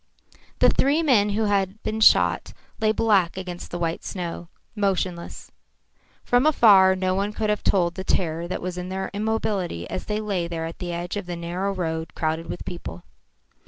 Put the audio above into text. The three men who had been shot lay black against the white snow, motionless. From afar no one could have told the terror that was in their immobility as they lay there at the edge of the narrow road crowded with people.